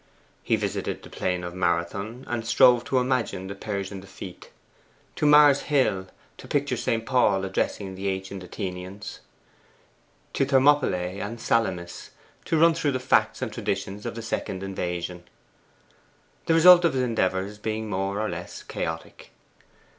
He visited the plain of Marathon, and strove to imagine the Persian defeat; to Mars Hill, to picture St. Paul addressing the ancient Athenians; to Thermopylae and Salamis, to run through the facts and traditions of the Second Invasion the result of his endeavours being more or less chaotic.